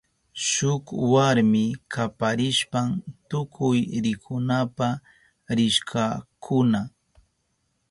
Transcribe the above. Shuk warmi kaparishpan tukuy rikunapa rishkakuna.